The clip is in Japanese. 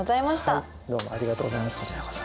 はいどうもありがとうございましたこちらこそ。